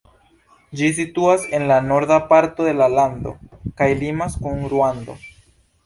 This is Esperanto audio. Ĝi situas en la norda parto de la lando, kaj limas kun Ruando.